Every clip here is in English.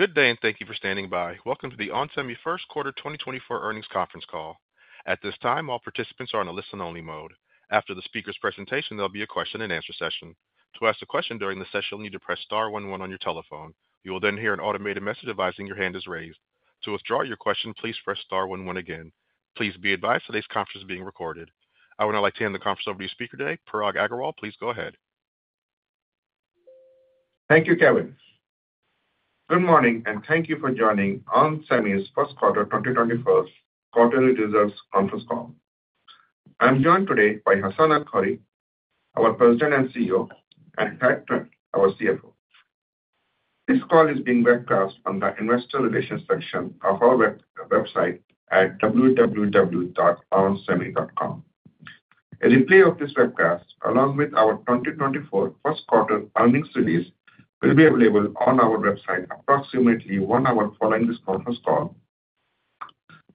Good day, and thank you for standing by. Welcome to the onsemi First Quarter 2024 Earnings Conference Call. At this time, all participants are in a listen-only mode. After the speaker's presentation, there'll be a question-and-answer session. To ask a question during the session, you'll need to press star one one on your telephone. You will then hear an automated message advising your hand is raised. To withdraw your question, please press star one one again. Please be advised today's conference is being recorded. I would now like to hand the conference over to your speaker today, Parag Agarwal. Please go ahead. Thank you, Kevin. Good morning, and thank you for joining onsemi's First Quarter 2024 Quarterly Results Conference Call. I'm joined today by Hassane El-Khoury, our President and CEO, and Thad Trent, our CFO. This call is being webcast on the Investor Relations section of our website at www.onsemi.com. A replay of this webcast, along with our 2024 first quarter earnings release, will be available on our website approximately 1 hour following this conference call,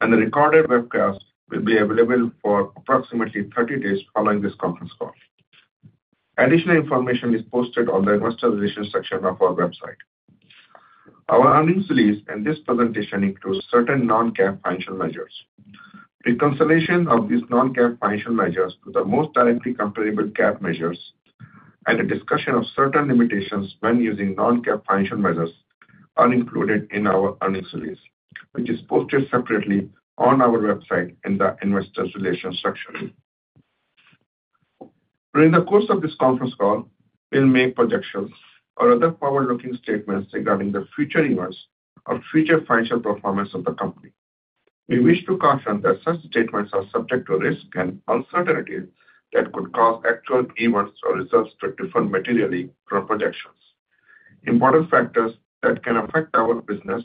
and the recorded webcast will be available for approximately 30 days following this conference call. Additional information is posted on the Investor Relations section of our website. Our earnings release and this presentation includes certain non-GAAP financial measures. Reconciliation of these non-GAAP financial measures to the most directly comparable GAAP measures and a discussion of certain limitations when using non-GAAP financial measures are included in our earnings release, which is posted separately on our website in the Investor Relations section. During the course of this conference call, we'll make projections or other forward-looking statements regarding the future events or future financial performance of the company. We wish to confirm that such statements are subject to risks and uncertainties that could cause actual events or results to differ materially from projections. Important factors that can affect our business,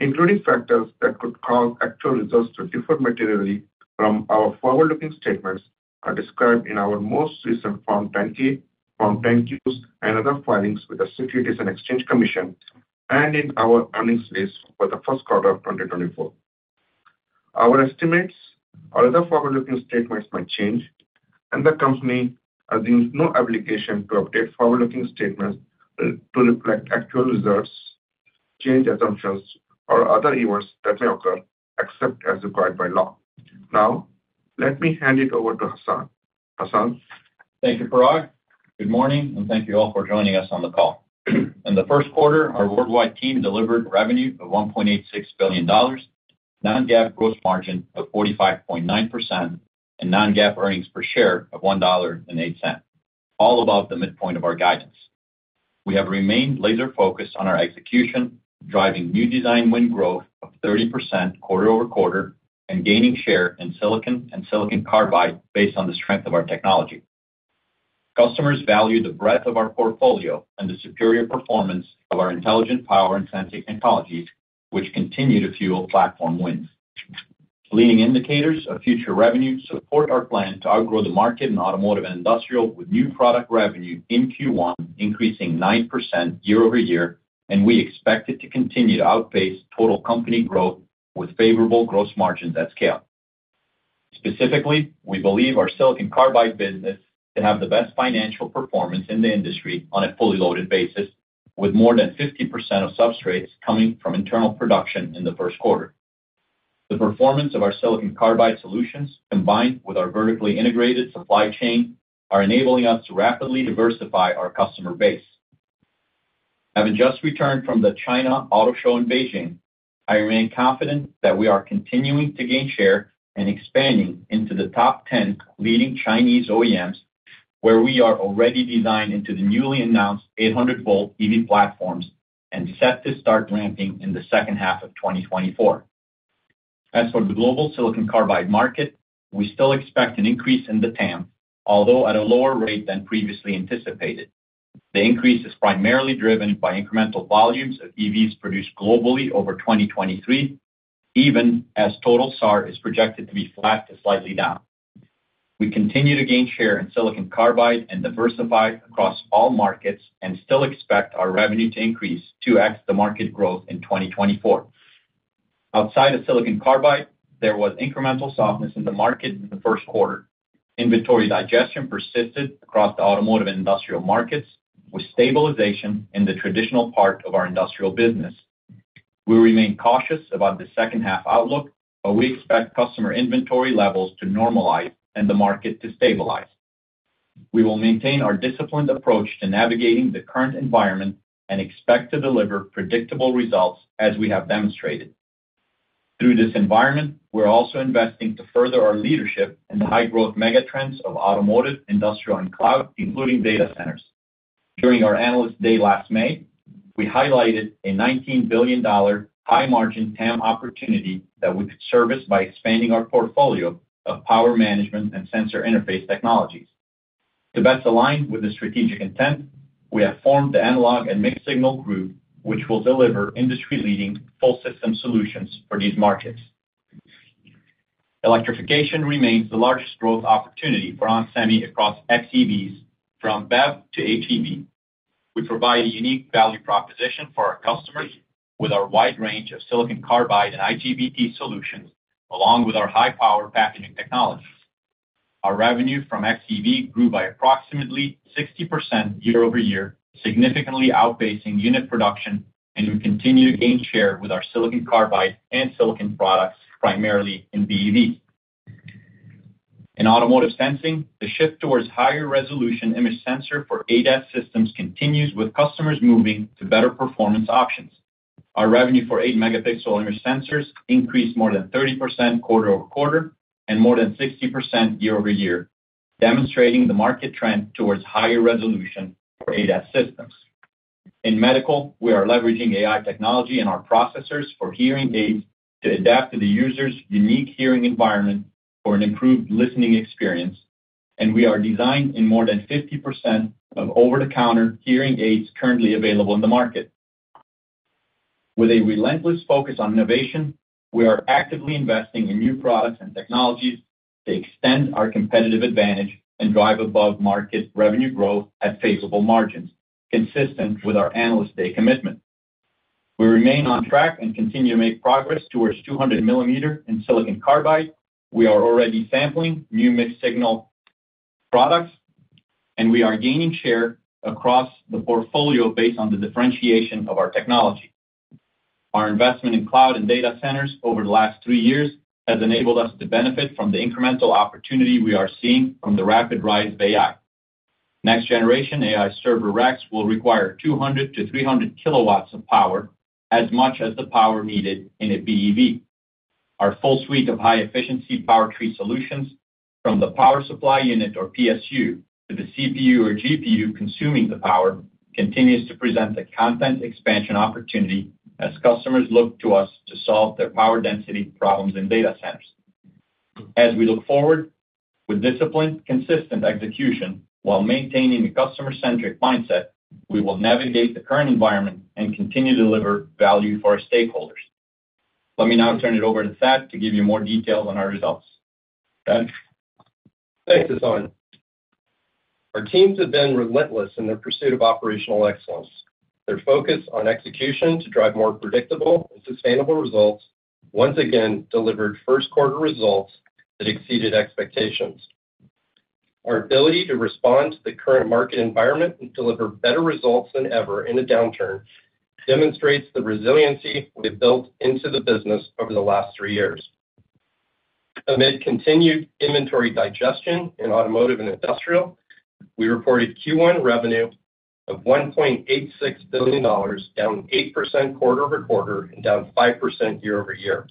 including factors that could cause actual results to differ materially from our forward-looking statements, are described in our most recent Form 10-K, Form 10-Qs, and other filings with the Securities and Exchange Commission, and in our earnings release for the first quarter of 2024. Our estimates or other forward-looking statements might change, and the company assumes no obligation to update forward-looking statements to reflect actual results, changed assumptions, or other events that may occur, except as required by law. Now, let me hand it over to Hassane. Hassane? Thank you, Parag. Good morning, and thank you all for joining us on the call. In the first quarter, our worldwide team delivered revenue of $1.86 billion, non-GAAP gross margin of 45.9%, and non-GAAP earnings per share of $1.08, all above the midpoint of our guidance. We have remained laser-focused on our execution, driving new design win growth of 30% quarter-over-quarter, and gaining share in silicon and silicon carbide based on the strength of our technology. Customers value the breadth of our portfolio and the superior performance of our intelligent power and sensing technologies, which continue to fuel platform wins. Leading indicators of future revenue support our plan to outgrow the market in automotive and industrial, with new product revenue in Q1 increasing 9% year-over-year, and we expect it to continue to outpace total company growth with favorable gross margins at scale. Specifically, we believe our silicon carbide business to have the best financial performance in the industry on a fully loaded basis, with more than 50% of substrates coming from internal production in the first quarter. The performance of our silicon carbide solutions, combined with our vertically integrated supply chain, are enabling us to rapidly diversify our customer base. Having just returned from the China Auto Show in Beijing, I remain confident that we are continuing to gain share and expanding into the top 10 leading Chinese OEMs, where we are already designed into the newly announced 800-volt EV platforms and set to start ramping in the second half of 2024. As for the global silicon carbide market, we still expect an increase in the TAM, although at a lower rate than previously anticipated. The increase is primarily driven by incremental volumes of EVs produced globally over 2023, even as total SAAR is projected to be flat to slightly down. We continue to gain share in silicon carbide and diversify across all markets and still expect our revenue to increase, to exceed the market growth in 2024. Outside of silicon carbide, there was incremental softness in the market in the first quarter. Inventory digestion persisted across the automotive and industrial markets, with stabilization in the traditional part of our industrial business. We remain cautious about the second half outlook, but we expect customer inventory levels to normalize and the market to stabilize. We will maintain our disciplined approach to navigating the current environment and expect to deliver predictable results, as we have demonstrated. Through this environment, we're also investing to further our leadership in the high-growth megatrends of automotive, industrial, and cloud, including data centers. During our Analyst Day last May, we highlighted a $19 billion high-margin TAM opportunity that we could service by expanding our portfolio of power management and sensor interface technologies. To best align with the strategic intent, we have formed the Analog and Mixed Signal Group, which will deliver industry-leading full system solutions for these markets. Electrification remains the largest growth opportunity for onsemi across xEVs, from BEV to HEV. We provide a unique value proposition for our customers with our wide range of silicon carbide and IGBT solutions, along with our high-power packaging technology.... Our revenue from XEV grew by approximately 60% year-over-year, significantly outpacing unit production, and we continue to gain share with our silicon carbide and silicon products, primarily in BEV. In automotive sensing, the shift towards higher resolution image sensor for ADAS systems continues, with customers moving to better performance options. Our revenue for 8-megapixel image sensors increased more than 30% quarter-over-quarter and more than 60% year-over-year, demonstrating the market trend towards higher resolution for ADAS systems. In medical, we are leveraging AI technology and our processors for hearing aids to adapt to the user's unique hearing environment for an improved listening experience, and we are designed in more than 50% of over-the-counter hearing aids currently available in the market. With a relentless focus on innovation, we are actively investing in new products and technologies to extend our competitive advantage and drive above-market revenue growth at favorable margins, consistent with our Analyst Day commitment. We remain on track and continue to make progress towards 200 millimeter in silicon carbide. We are already sampling new mixed signal products, and we are gaining share across the portfolio based on the differentiation of our technology. Our investment in cloud and data centers over the last 3 years has enabled us to benefit from the incremental opportunity we are seeing from the rapid rise of AI. Next generation AI server racks will require 200-300 kW of power, as much as the power needed in a BEV. Our full suite of high-efficiency power tree solutions, from the power supply unit or PSU to the CPU or GPU consuming the power, continues to present a content expansion opportunity as customers look to us to solve their power density problems in data centers. As we look forward, with disciplined, consistent execution, while maintaining the customer-centric mindset, we will navigate the current environment and continue to deliver value for our stakeholders. Let me now turn it over to Thad to give you more details on our results. Thad? Thanks, Hassane. Our teams have been relentless in their pursuit of operational excellence. Their focus on execution to drive more predictable and sustainable results once again delivered first quarter results that exceeded expectations. Our ability to respond to the current market environment and deliver better results than ever in a downturn demonstrates the resiliency we've built into the business over the last three years. Amid continued inventory digestion in automotive and industrial, we reported Q1 revenue of $1.86 billion, down 8% quarter-over-quarter and down 5% year-over-year.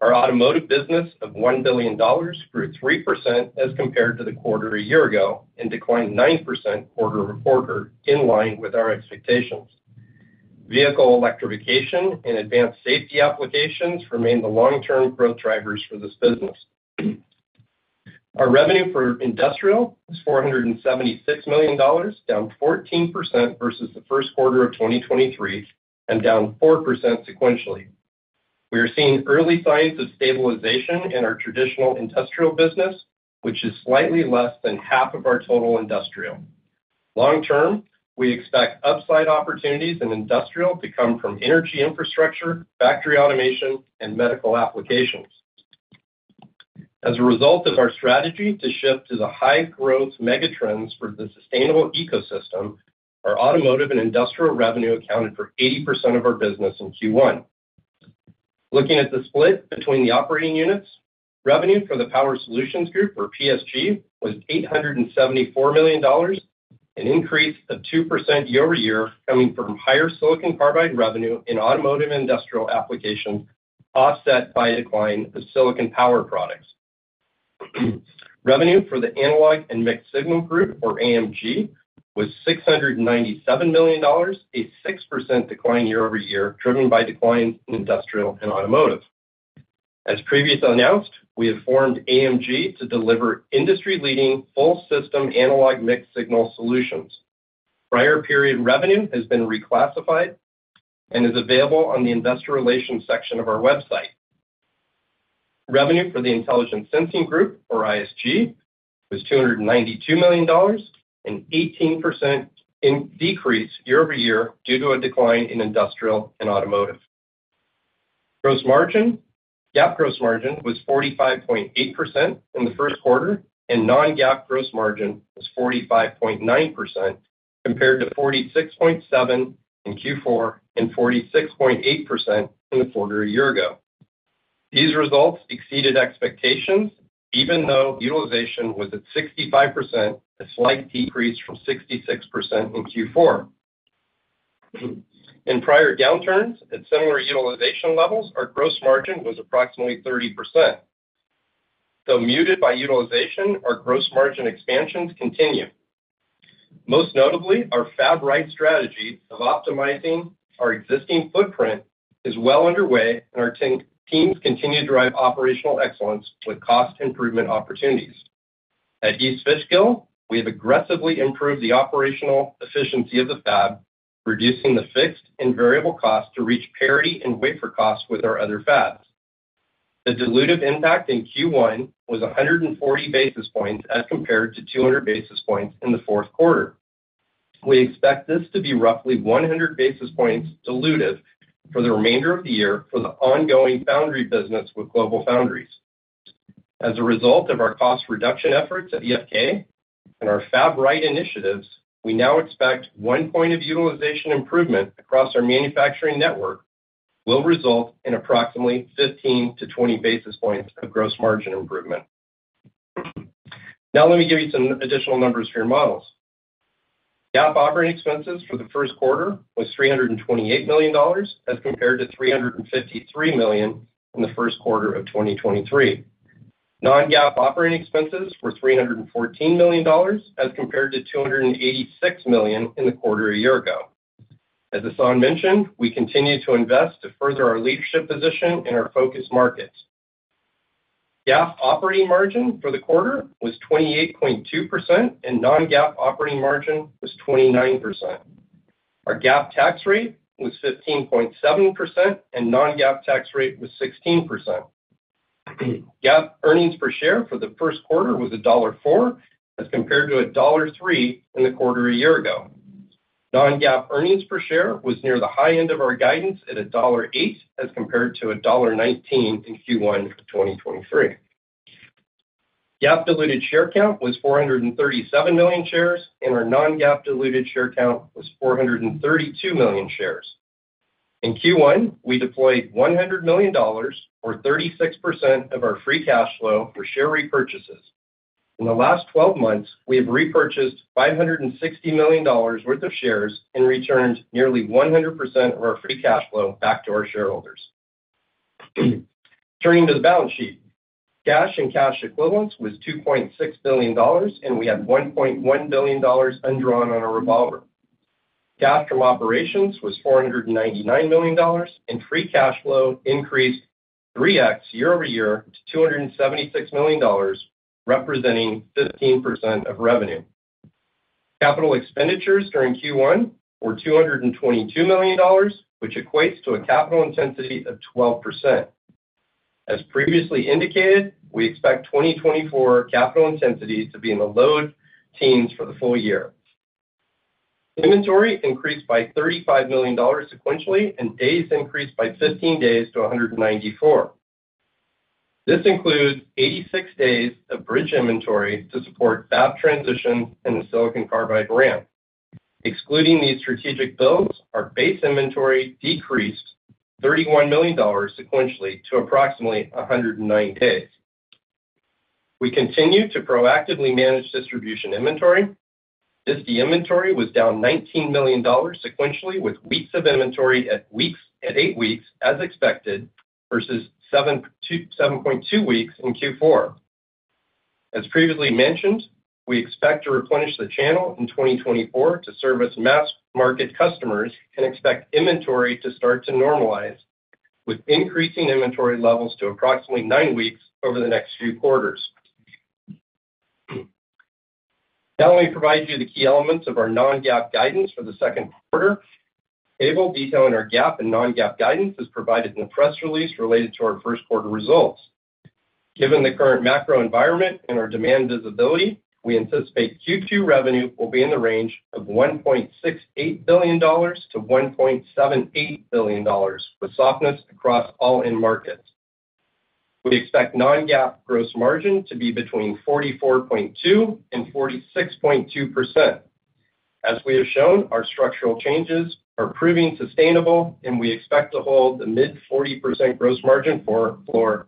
Our automotive business of $1 billion grew 3% as compared to the quarter a year ago and declined 9% quarter-over-quarter, in line with our expectations. Vehicle electrification and advanced safety applications remain the long-term growth drivers for this business. Our revenue for industrial is $476 million, down 14% versus the first quarter of 2023, and down 4% sequentially. We are seeing early signs of stabilization in our traditional industrial business, which is slightly less than half of our total industrial. Long term, we expect upside opportunities in industrial to come from energy infrastructure, factory automation, and medical applications. As a result of our strategy to shift to the high growth megatrends for the sustainable ecosystem, our automotive and industrial revenue accounted for 80% of our business in Q1. Looking at the split between the operating units, revenue for the Power Solutions Group, or PSG, was $874 million, an increase of 2% year-over-year, coming from higher silicon carbide revenue in automotive and industrial applications, offset by a decline of silicon power products. Revenue for the Analog and Mixed Signal Group, or AMG, was $697 million, a 6% decline year-over-year, driven by declines in industrial and automotive. As previously announced, we have formed AMG to deliver industry-leading, full system analog mixed-signal solutions. Prior period revenue has been reclassified and is available on the investor relations section of our website. Revenue for the Intelligent Sensing Group, or ISG, was $292 million, an 18% decrease year-over-year due to a decline in industrial and automotive. Gross margin. GAAP gross margin was 45.8% in the first quarter, and non-GAAP gross margin was 45.9%, compared to 46.7% in Q4 and 46.8% in the quarter a year ago. These results exceeded expectations, even though utilization was at 65%, a slight decrease from 66% in Q4. In prior downturns at similar utilization levels, our gross margin was approximately 30%. Though muted by utilization, our gross margin expansions continue. Most notably, our fab right strategy of optimizing our existing footprint is well underway, and our team, teams continue to drive operational excellence with cost improvement opportunities. At East Fishkill, we have aggressively improved the operational efficiency of the fab, reducing the fixed and variable costs to reach parity and wafer costs with our other fabs. The dilutive impact in Q1 was 140 basis points, as compared to 200 basis points in the fourth quarter. We expect this to be roughly 100 basis points dilutive for the remainder of the year for the ongoing foundry business with GlobalFoundries. As a result of our cost reduction efforts at EFK and our Fab Right initiatives, we now expect one point of utilization improvement across our manufacturing network will result in approximately 15-20 basis points of gross margin improvement. Now let me give you some additional numbers for your models. GAAP operating expenses for the first quarter was $328 million, as compared to $353 million in the first quarter of 2023. Non-GAAP operating expenses were $314 million, as compared to $286 million in the quarter a year ago. As Hassane mentioned, we continue to invest to further our leadership position in our focus markets. GAAP operating margin for the quarter was 28.2%, and non-GAAP operating margin was 29%. Our GAAP tax rate was 15.7%, and non-GAAP tax rate was 16%. GAAP earnings per share for the first quarter was $1.04, as compared to $1.03 in the quarter a year ago. Non-GAAP earnings per share was near the high end of our guidance at $1.08, as compared to $1.19 in Q1 of 2023. GAAP diluted share count was 437 million shares, and our non-GAAP diluted share count was 432 million shares. In Q1, we deployed $100 million, or 36% of our free cash flow, for share repurchases. In the last twelve months, we have repurchased $560 million worth of shares and returned nearly 100% of our free cash flow back to our shareholders. Turning to the balance sheet. Cash and cash equivalents was $2.6 billion, and we had $1.1 billion undrawn on our revolver. Cash from operations was $499 million, and free cash flow increased 3x year-over-year to $276 million, representing 15% of revenue. Capital expenditures during Q1 were $222 million, which equates to a capital intensity of 12%. As previously indicated, we expect 2024 capital intensity to be in the low teens for the full year. Inventory increased by $35 million sequentially, and days increased by 15 days to 194. This includes 86 days of bridge inventory to support fab transition and the silicon carbide ramp. Excluding these strategic builds, our base inventory decreased $31 million sequentially to approximately 109 days. We continue to proactively manage distribution inventory. This disty inventory was down $19 million sequentially, with weeks of inventory at weeks, at 8 weeks as expected, versus 7.2 weeks in Q4. As previously mentioned, we expect to replenish the channel in 2024 to serve as mass market customers and expect inventory to start to normalize, with increasing inventory levels to approximately 9 weeks over the next few quarters. Now, let me provide you the key elements of our non-GAAP guidance for the second quarter. Table detailing our GAAP and non-GAAP guidance is provided in the press release related to our first quarter results. Given the current macro environment and our demand visibility, we anticipate Q2 revenue will be in the range of $1.68 billion-$1.78 billion, with softness across all end markets. We expect non-GAAP gross margin to be between 44.2%-46.2%. As we have shown, our structural changes are proving sustainable, and we expect to hold the mid-40% gross margin floor,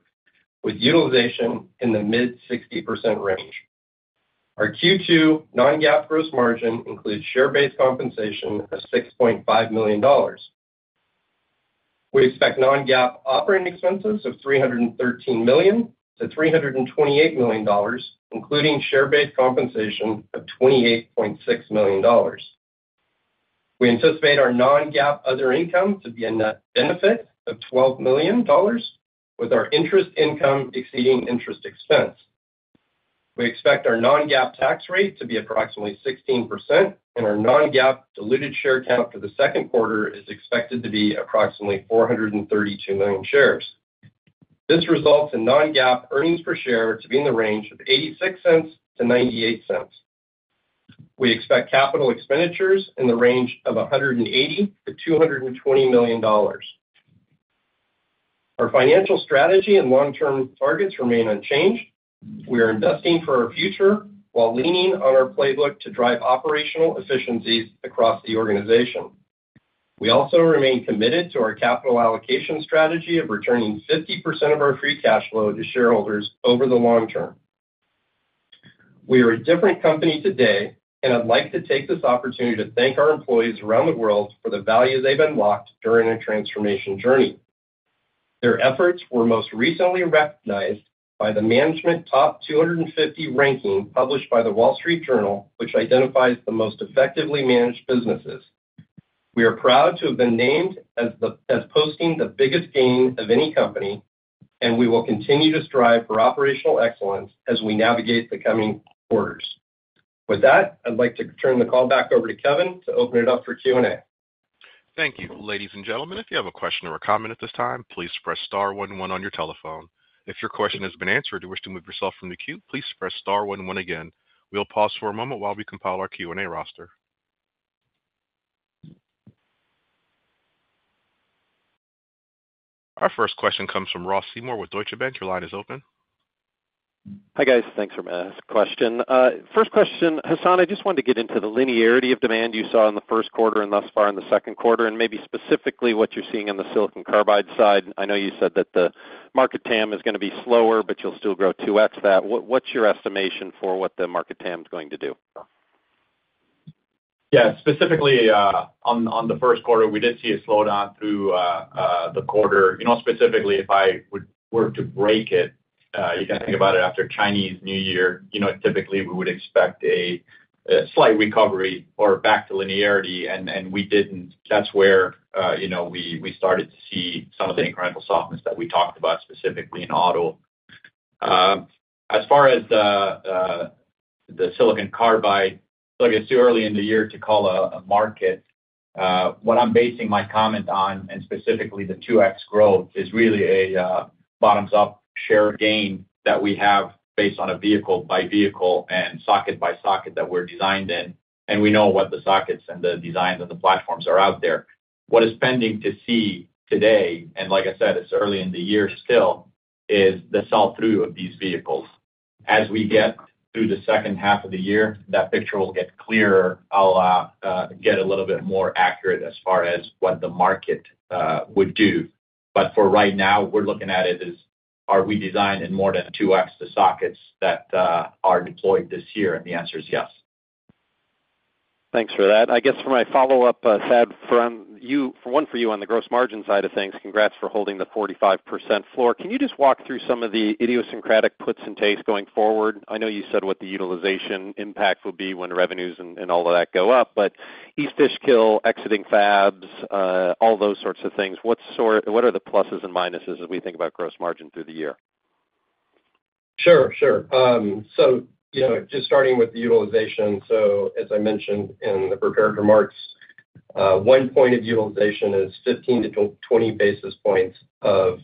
with utilization in the mid-60% range. Our Q2 non-GAAP gross margin includes share-based compensation of $6.5 million. We expect non-GAAP operating expenses of $313 million-$328 million, including share-based compensation of $28.6 million. We anticipate our non-GAAP other income to be a net benefit of $12 million, with our interest income exceeding interest expense. We expect our non-GAAP tax rate to be approximately 16%, and our non-GAAP diluted share count for the second quarter is expected to be approximately 432 million shares. This results in non-GAAP earnings per share to be in the range of $0.86-$0.98. We expect capital expenditures in the range of $180 million-$220 million. Our financial strategy and long-term targets remain unchanged. We are investing for our future while leaning on our playbook to drive operational efficiencies across the organization. We also remain committed to our capital allocation strategy of returning 50% of our free cash flow to shareholders over the long term. We are a different company today, and I'd like to take this opportunity to thank our employees around the world for the value they've unlocked during our transformation journey. Their efforts were most recently recognized by the Management Top 250 ranking, published by The Wall Street Journal, which identifies the most effectively managed businesses. We are proud to have been named as posting the biggest gain of any company, and we will continue to strive for operational excellence as we navigate the coming quarters. With that, I'd like to turn the call back over to Kevin to open it up for Q&A. Thank you. Ladies and gentlemen, if you have a question or a comment at this time, please press star one, one on your telephone. If your question has been answered or you wish to move yourself from the queue, please press star one, one again. We'll pause for a moment while we compile our Q&A roster. Our first question comes from Ross Seymour with Deutsche Bank. Your line is open. Hi, guys. Thanks for asking my question. First question, Hassane, I just wanted to get into the linearity of demand you saw in the first quarter and thus far in the second quarter, and maybe specifically what you're seeing on the silicon carbide side. I know you said that the market TAM is gonna be slower, but you'll still grow 2x that. What, what's your estimation for what the market TAM is going to do? Yeah, specifically, on the first quarter, we did see a slowdown through the quarter. You know, specifically, if I would were to break it, you can think about it after Chinese New Year, you know, typically we would expect a slight recovery or back to linearity, and we didn't. That's where, you know, we started to see some of the incremental softness that we talked about, specifically in auto. As far as the silicon carbide, look, it's too early in the year to call a market. What I'm basing my comment on, and specifically the 2x growth, is really a bottoms-up share gain that we have based on a vehicle-by-vehicle and socket-by-socket that we're designed in, and we know what the sockets and the designs of the platforms are out there. What is pending to see today, and like I said, it's early in the year still, is the sell-through of these vehicles. As we get through the second half of the year, that picture will get clearer. I'll get a little bit more accurate as far as what the market would do. But for right now, we're looking at it as are we designed in more than 2x the sockets that are deployed this year? And the answer is yes. Thanks for that. I guess for my follow-up, Thad, from you—for one, for you on the gross margin side of things, congrats for holding the 45% floor. Can you just walk through some of the idiosyncratic puts and takes going forward? I know you said what the utilization impact will be when the revenues and, and all of that go up, but East Fishkill, exiting fabs, all those sorts of things. What sort—what are the pluses and minuses as we think about gross margin through the year? Sure, sure. So, you know, just starting with the utilization, so as I mentioned in the prepared remarks, one point of utilization is 15-20 basis points of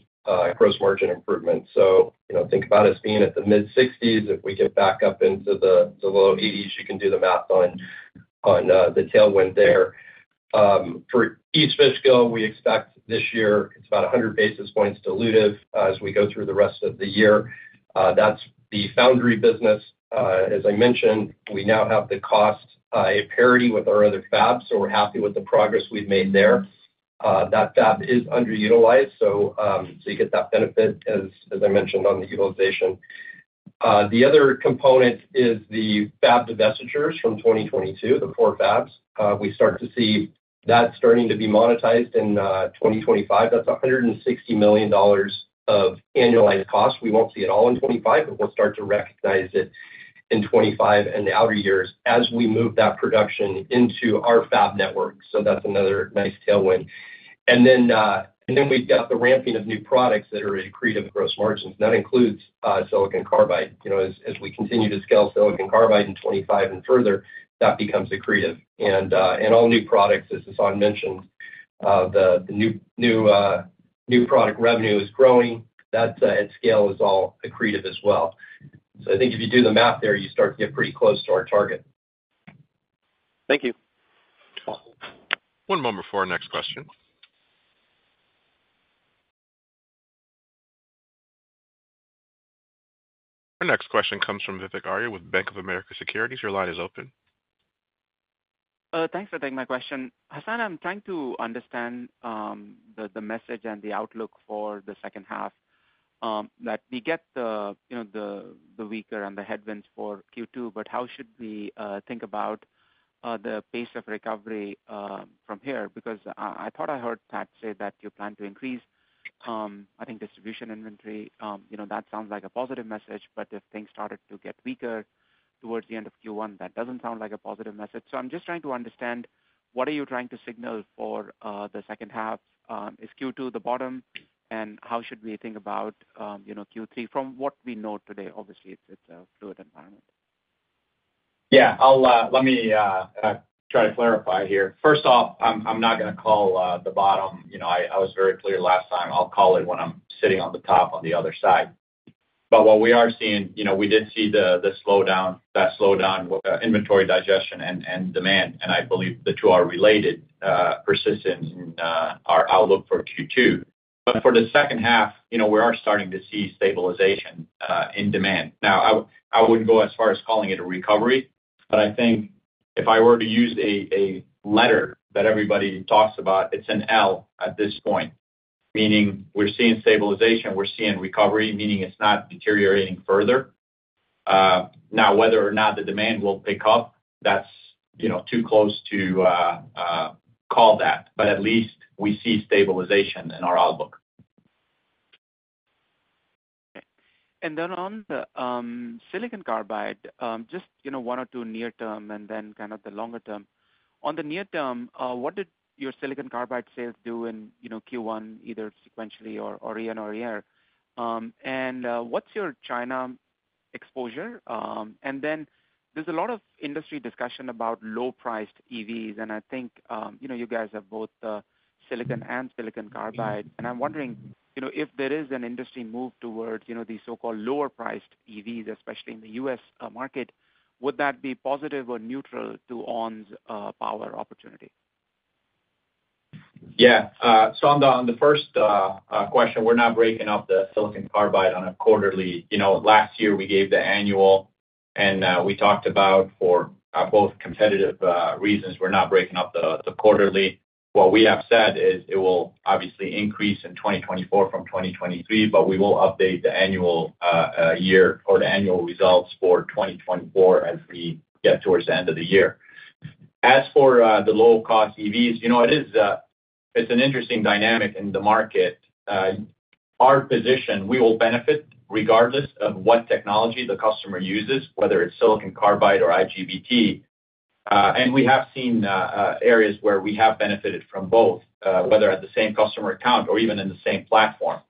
gross margin improvement. So, you know, think about us being at the mid-60s. If we get back up into the low 80s, you can do the math on the tailwind there. For East Fishkill, we expect this year it's about 100 basis points dilutive as we go through the rest of the year. That's the foundry business. As I mentioned, we now have the cost at parity with our other fabs, so we're happy with the progress we've made there. That fab is underutilized, so you get that benefit, as I mentioned on the utilization. The other component is the fab divestitures from 2022, the 4 fabs. We start to see that starting to be monetized in 2025. That's $160 million of annualized cost. We won't see it all in 2025, but we'll start to recognize it in 2025 and the outer years as we move that production into our fab network. So that's another nice tailwind. And then we've got the ramping of new products that are accretive gross margins. That includes silicon carbide. You know, as we continue to scale silicon carbide in 2025 and further, that becomes accretive. And all new products, as Hassane mentioned, the new product revenue is growing. That at scale is all accretive as well. I think if you do the math there, you start to get pretty close to our target. Thank you. One moment before our next question. Our next question comes from Vivek Arya with Bank of America Securities. Your line is open. Thanks for taking my question. Hassane, I'm trying to understand the message and the outlook for the second half. That we get the, you know, the weaker and the headwinds for Q2, but how should we think about the pace of recovery from here? Because I thought I heard Thad say that you plan to increase, I think, distribution inventory. You know, that sounds like a positive message, but if things started to get weaker towards the end of Q1, that doesn't sound like a positive message. So I'm just trying to understand what are you trying to signal for the second half? Is Q2 the bottom, and how should we think about, you know, Q3 from what we know today? Obviously, it's a fluid environment. Yeah. I'll let me try to clarify here. First off, I'm not gonna call the bottom. You know, I was very clear last time, I'll call it when I'm sitting on the top on the other side. But what we are seeing, you know, we did see the slowdown, that slowdown, inventory digestion and demand, and I believe the two are related, persistent in our outlook for Q2. But for the second half, you know, we are starting to see stabilization in demand. Now, I wouldn't go as far as calling it a recovery, but I think if I were to use a letter that everybody talks about, it's an L at this point, meaning we're seeing stabilization, we're seeing recovery, meaning it's not deteriorating further. Now, whether or not the demand will pick up, that's, you know, too close to call that, but at least we see stabilization in our outlook. Okay. And then on the silicon carbide, just, you know, one or two near term and then kind of the longer term. On the near term, what did your silicon carbide sales do in, you know, Q1, either sequentially or year-on-year? And what's your China exposure? And then there's a lot of industry discussion about low-priced EVs, and I think, you know, you guys have both the silicon and silicon carbide. And I'm wondering, you know, if there is an industry move towards, you know, these so-called lower priced EVs, especially in the U.S. market, would that be positive or neutral to onsemi's power opportunity? Yeah. So on the first question, we're not breaking up the silicon carbide on a quarterly. You know, last year we gave the annual, and we talked about for both competitive reasons, we're not breaking up the quarterly. What we have said is it will obviously increase in 2024 from 2023, but we will update the annual year or the annual results for 2024 as we get towards the end of the year. As for the low-cost EVs, you know, it is, it's an interesting dynamic in the market. Our position, we will benefit regardless of what technology the customer uses, whether it's silicon carbide or IGBT. And we have seen areas where we have benefited from both, whether at the same customer account or even in the same platform.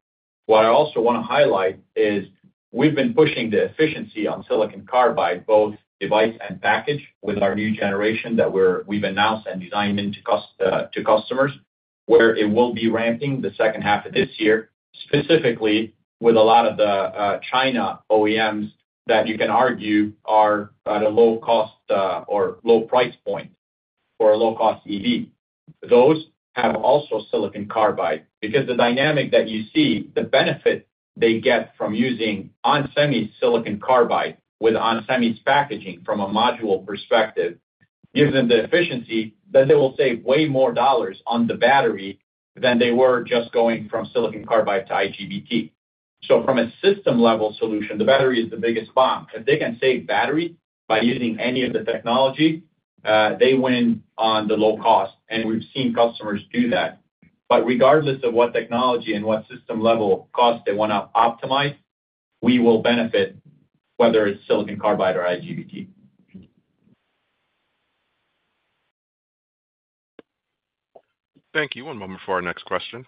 What I also wanna highlight is we've been pushing the efficiency on silicon carbide, both device and package, with our new generation that we've announced and designed into customers, where it will be ramping the second half of this year, specifically with a lot of the China OEMs that you can argue are at a low cost or low price point for a low-cost EV. Those have also silicon carbide, because the dynamic that you see, the benefit they get from using onsemi silicon carbide with onsemi's packaging from a module perspective, gives them the efficiency that they will save way more dollars on the battery than they were just going from silicon carbide to IGBT. So from a system-level solution, the battery is the biggest BOM. If they can save battery by using any of the technology, they win on the low cost, and we've seen customers do that. But regardless of what technology and what system level cost they wanna optimize, we will benefit whether it's silicon carbide or IGBT. Thank you. One moment before our next question.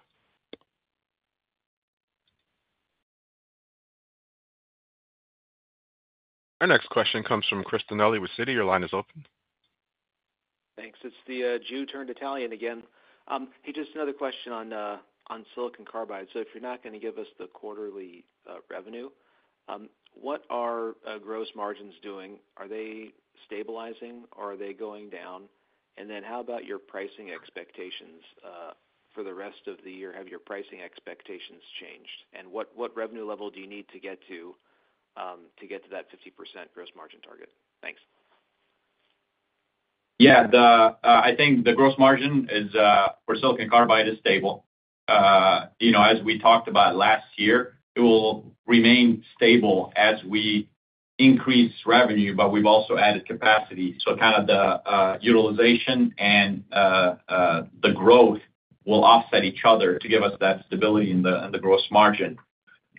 Our next question comes from Chris Danely with Citi. Your line is open. Thanks. It's the Jew-turned-Italian again. Hey, just another question on silicon carbide. So if you're not gonna give us the quarterly revenue, what are gross margins doing? Are they stabilizing or are they going down? And then how about your pricing expectations for the rest of the year? Have your pricing expectations changed? And what revenue level do you need to get to, to get to that 50% gross margin target? Thanks. Yeah, the, I think the gross margin is, for silicon carbide is stable. You know, as we talked about last year, it will remain stable as we increase revenue, but we've also added capacity. So kind of the, utilization and, the growth will offset each other to give us that stability in the, in the gross margin.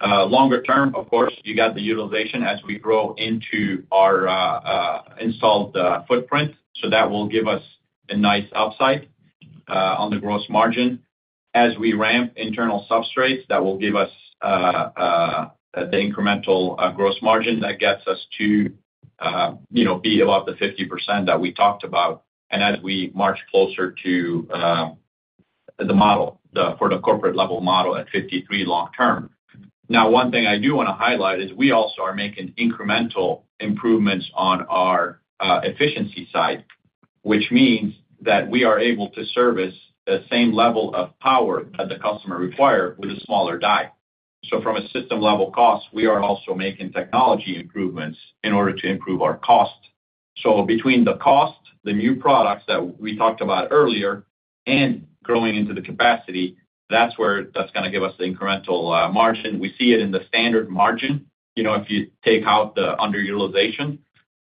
Longer term, of course, you got the utilization as we grow into our, installed, footprint, so that will give us a nice upside, on the gross margin. As we ramp internal substrates, that will give us, the incremental, gross margin that gets us to, you know, be above the 50% that we talked about, and as we march closer to, the model, for the corporate level model at 53% long term. Now, one thing I do wanna highlight is we also are making incremental improvements on our efficiency side, which means that we are able to service the same level of power that the customer require with a smaller die. So from a system-level cost, we are also making technology improvements in order to improve our cost. So between the cost, the new products that we talked about earlier, and growing into the capacity, that's where that's gonna give us the incremental margin. We see it in the standard margin, you know, if you take out the underutilization,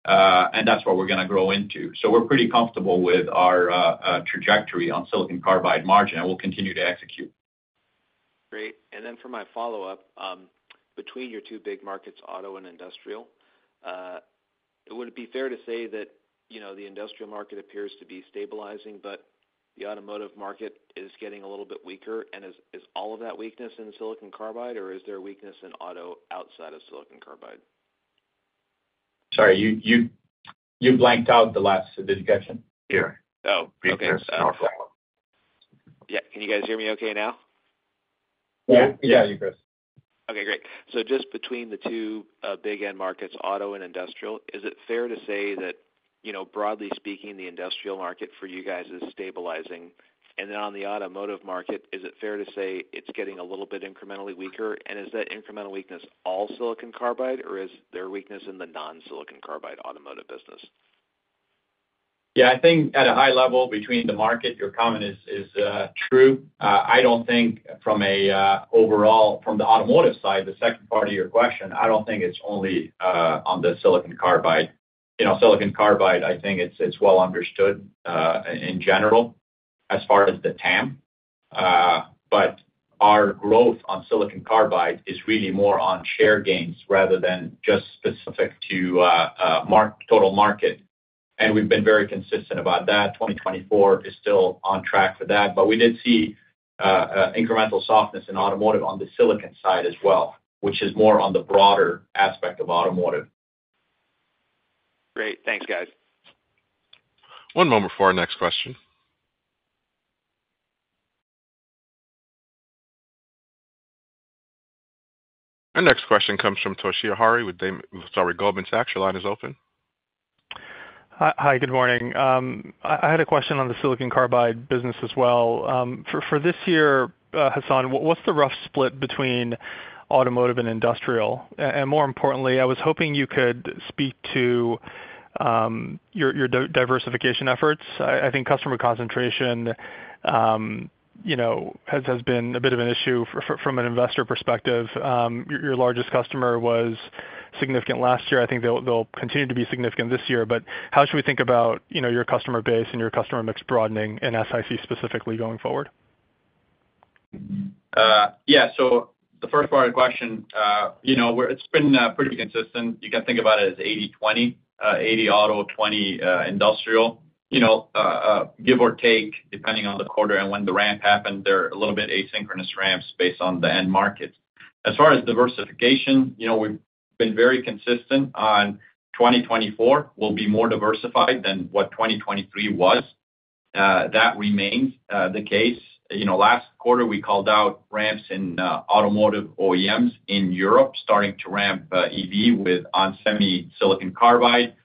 and that's what we're gonna grow into. So we're pretty comfortable with our trajectory on silicon carbide margin, and we'll continue to execute. Great. And then for my follow-up, between your two big markets, auto and industrial, would it be fair to say that, you know, the industrial market appears to be stabilizing, but the automotive market is getting a little bit weaker? And is all of that weakness in silicon carbide, or is there a weakness in auto outside of silicon carbide? Sorry, you blanked out the last discussion here. Oh, okay. Be clear. Yeah. Can you guys hear me okay now? Yeah. Yeah, you, Chris. Okay, great. So just between the two big end markets, auto and industrial, is it fair to say that, you know, broadly speaking, the industrial market for you guys is stabilizing? And then on the automotive market, is it fair to say it's getting a little bit incrementally weaker? And is that incremental weakness all silicon carbide, or is there weakness in the non-silicon carbide automotive business? Yeah, I think at a high level, between the market, your comment is true. I don't think from a overall, from the automotive side, the second part of your question, I don't think it's only on the silicon carbide. You know, silicon carbide, I think it's well understood in general as far as the TAM. But our growth on silicon carbide is really more on share gains rather than just specific to total market, and we've been very consistent about that. 2024 is still on track for that, but we did see incremental softness in automotive on the silicon side as well, which is more on the broader aspect of automotive. Great. Thanks, guys. One moment before our next question. Our next question comes from Toshiya Hari with Goldman Sachs. Your line is open. Hi. Hi, good morning. I had a question on the silicon carbide business as well. For this year, Hassane, what's the rough split between automotive and industrial? And more importantly, I was hoping you could speak to your diversification efforts. I think customer concentration, you know, has been a bit of an issue from an investor perspective. Your largest customer was significant last year. I think they'll continue to be significant this year. But how should we think about, you know, your customer base and your customer mix broadening in SiC, specifically, going forward? Yeah, so the first part of the question, you know, it's been pretty consistent. You can think about it as 80/20. 80 auto, 20 industrial. You know, give or take, depending on the quarter and when the ramp happened, they're a little bit asynchronous ramps based on the end market. As far as diversification, you know, we've been very consistent on 2024 will be more diversified than what 2023 was. That remains the case. You know, last quarter, we called out ramps in automotive OEMs in Europe, starting to ramp EV with onsemi silicon carbide.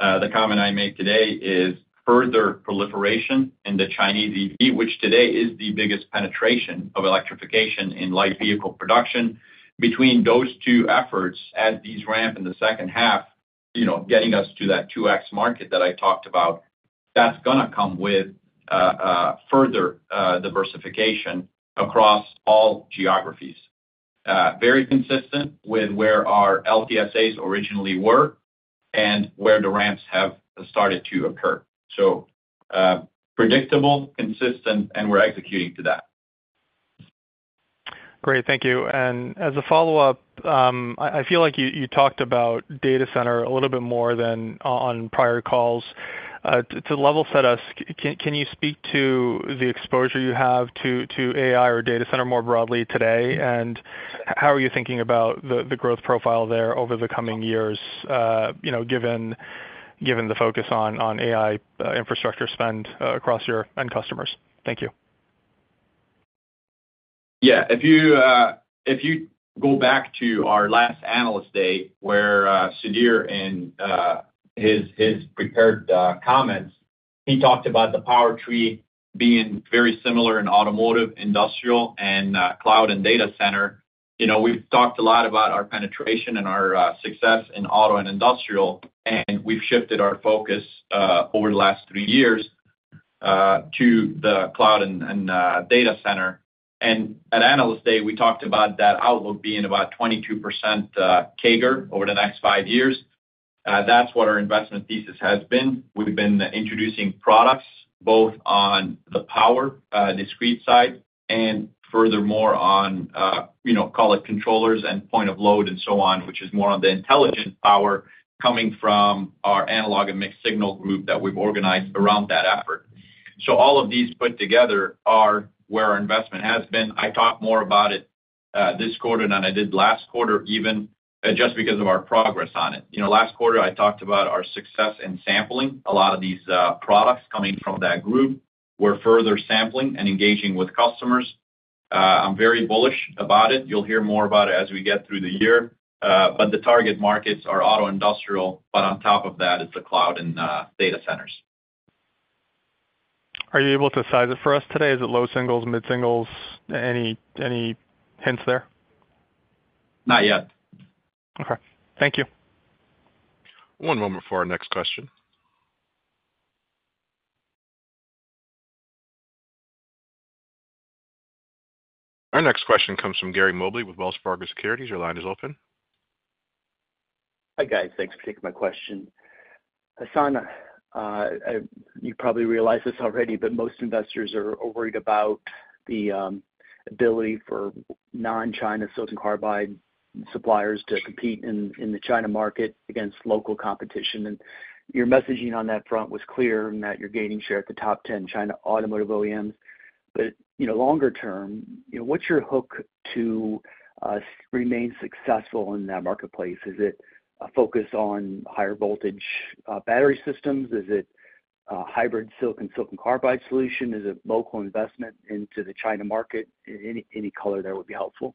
The comment I make today is further proliferation in the Chinese EV, which today is the biggest penetration of electrification in light vehicle production. Between those two efforts, as these ramp in the second half, you know, getting us to that 2x market that I talked about, that's gonna come with further diversification across all geographies. Very consistent with where our LTSAs originally were and where the ramps have started to occur. So, predictable, consistent, and we're executing to that. Great. Thank you. And as a follow-up, I feel like you talked about data center a little bit more than on prior calls. To level set us, can you speak to the exposure you have to AI or data center more broadly today? And how are you thinking about the growth profile there over the coming years, you know, given the focus on AI infrastructure spend across your end customers? Thank you. Yeah. If you go back to our last Analyst Day, where Sudhir, in his prepared comments, he talked about the power tree being very similar in automotive, industrial, and cloud and data center. You know, we've talked a lot about our penetration and our success in auto and industrial, and we've shifted our focus over the last three years to the cloud and data center. And at Analyst Day, we talked about that outlook being about 22% CAGR over the next five years. That's what our investment thesis has been. We've been introducing products, both on the power, discrete side, and furthermore, on, you know, call it, controllers and point of load and so on, which is more on the intelligent power coming from our Analog and Mixed Signal Group that we've organized around that effort. So all of these put together are where our investment has been. I talked more about it, this quarter than I did last quarter, even, just because of our progress on it. You know, last quarter, I talked about our success in sampling a lot of these products coming from that group. We're further sampling and engaging with customers. I'm very bullish about it. You'll hear more about it as we get through the year, but the target markets are auto, industrial, but on top of that, it's the cloud and data centers. Are you able to size it for us today? Is it low singles, mid singles? Any, any hints there? Not yet. Okay. Thank you. One moment for our next question. Our next question comes from Gary Mobley with Wells Fargo Securities. Your line is open. Hi, guys. Thanks for taking my question. Hassane, you probably realize this already, but most investors are worried about the ability for non-China silicon carbide suppliers to compete in the China market against local competition, and your messaging on that front was clear in that you're gaining share at the top ten China automotive OEMs. But longer term, you know, what's your hook to remain successful in that marketplace? Is it a focus on higher voltage battery systems? Is it a hybrid silicon silicon carbide solution? Is it local investment into the China market? Any color there would be helpful.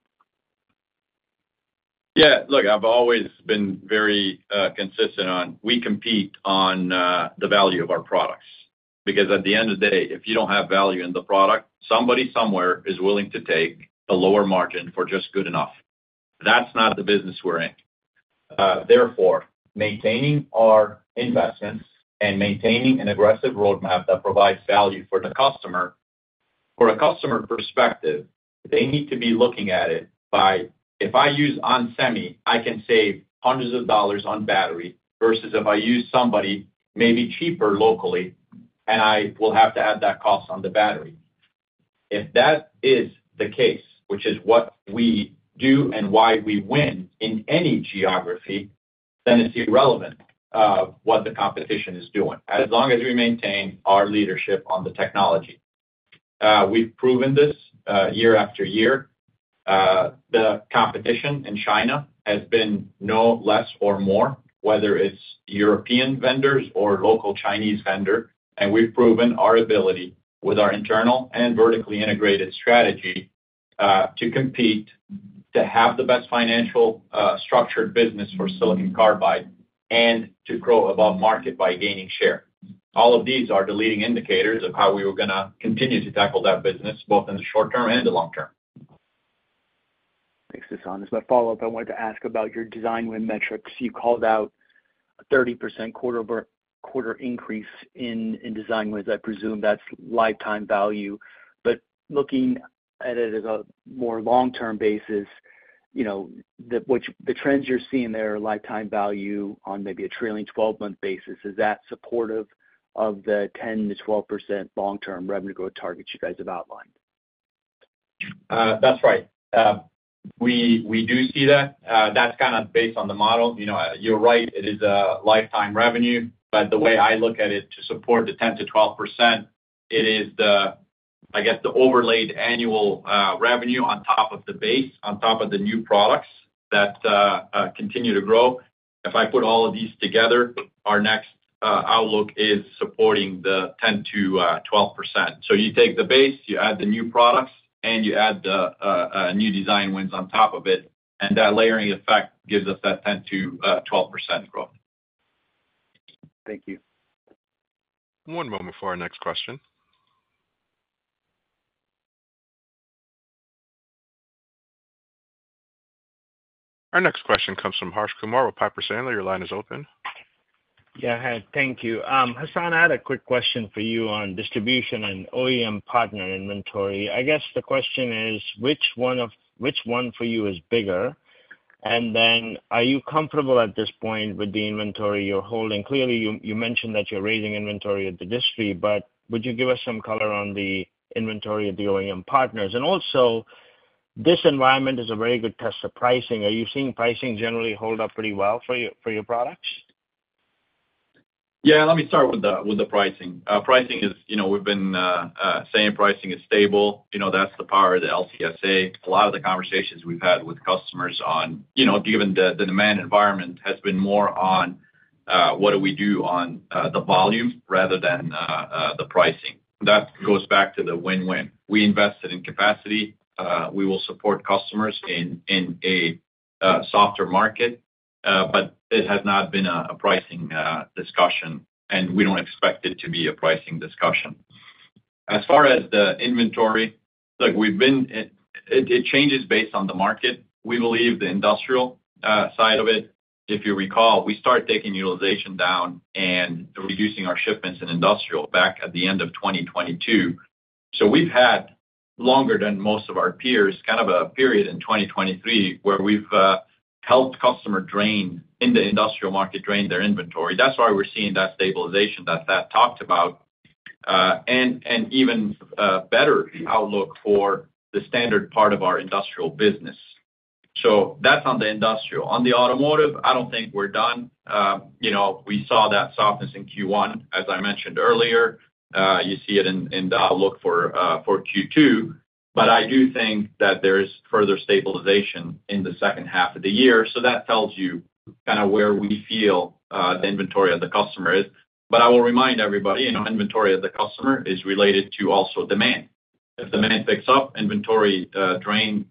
Yeah, look, I've always been very consistent on we compete on the value of our products. Because at the end of the day, if you don't have value in the product, somebody somewhere is willing to take a lower margin for just good enough. That's not the business we're in. Therefore, maintaining our investments and maintaining an aggressive roadmap that provides value for the customer... From a customer perspective, they need to be looking at it by, if I use onsemi, I can save hundreds of dollars on battery, versus if I use somebody, maybe cheaper locally, and I will have to add that cost on the battery... If that is the case, which is what we do and why we win in any geography, then it's irrelevant what the competition is doing, as long as we maintain our leadership on the technology. We've proven this, year after year. The competition in China has been no less or more, whether it's European vendors or local Chinese vendor, and we've proven our ability with our internal and vertically integrated strategy, to compete, to have the best financial, structured business for silicon carbide, and to grow above market by gaining share. All of these are the leading indicators of how we were gonna continue to tackle that business, both in the short term and the long term. Thanks, Hassane. As my follow-up, I wanted to ask about your design win metrics. You called out a 30% quarter-over-quarter increase in design wins. I presume that's lifetime value. But looking at it as a more long-term basis, you know, the trends you're seeing there, lifetime value on maybe a trailing twelve-month basis, is that supportive of the 10%-12% long-term revenue growth targets you guys have outlined? That's right. We, we do see that. That's kind of based on the model. You know, you're right, it is a lifetime revenue, but the way I look at it, to support the 10%-12%, it is the, I guess, the overlaid annual, revenue on top of the base, on top of the new products that, continue to grow. If I put all of these together, our next, outlook is supporting the 10%-12%. So you take the base, you add the new products, and you add the, new design wins on top of it, and that layering effect gives us that 10%-12% growth. Thank you. One moment before our next question. Our next question comes from Harsh Kumar with Piper Sandler. Your line is open. Yeah, hi, thank you. Hassane, I had a quick question for you on distribution and OEM partner inventory. I guess the question is, which one of—which one for you is bigger? And then, are you comfortable at this point with the inventory you're holding? Clearly, you, you mentioned that you're raising inventory at the disty, but would you give us some color on the inventory of the OEM partners? And also, this environment is a very good test of pricing. Are you seeing pricing generally hold up pretty well for your, for your products? Yeah, let me start with the pricing. Pricing is, you know, we've been saying pricing is stable. You know, that's the power of the LTSA. A lot of the conversations we've had with customers on, you know, given the demand environment, has been more on what do we do on the volume rather than the pricing. That goes back to the win-win. We invested in capacity. We will support customers in a softer market, but it has not been a pricing discussion, and we don't expect it to be a pricing discussion. As far as the inventory, look, we've been... It changes based on the market. We believe the industrial side of it, if you recall, we started taking utilization down and reducing our shipments in industrial back at the end of 2022. So we've had, longer than most of our peers, kind of a period in 2023, where we've helped customer drain, in the industrial market, drain their inventory. That's why we're seeing that stabilization that Thad talked about, and even better outlook for the standard part of our industrial business. So that's on the industrial. On the automotive, I don't think we're done. You know, we saw that softness in Q1, as I mentioned earlier. You see it in the outlook for Q2, but I do think that there is further stabilization in the second half of the year. So that tells you kind of where we feel the inventory of the customer is. But I will remind everybody, you know, inventory of the customer is related to also demand. If demand picks up, inventory drain